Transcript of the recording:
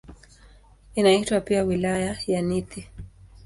Inaitwa pia "Wilaya ya Nithi".